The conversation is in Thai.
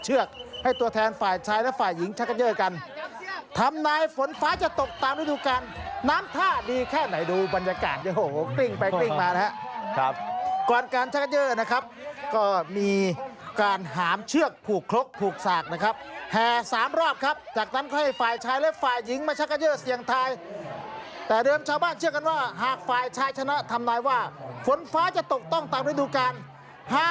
สงการที่บ้านไพรจังหวัดขนกรรม